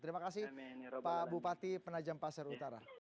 terima kasih pak bupati penajam pasir utara